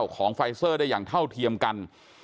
ของไฟเซอร์ได้อย่างเท่าเทียมกัน